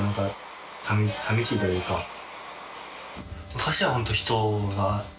昔はホント人が。